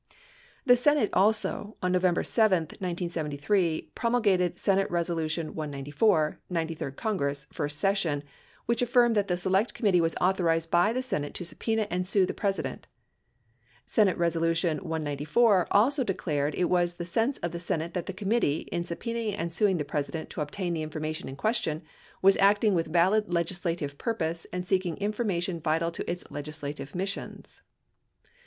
The Senate also, on November 7, 1973, promulgated Senate Resolu tion 194, 93d Congress, first session, which affirmed that the Select Committee was authorized by the Senate to subpena and sue the President. 10 S. Res. 194 also declared it was the sense of the Senate that the committee, in subpenaing and suing the President to obtain the information in question, was acting with valid legislative purpose and seeking information vital to its legislative missions.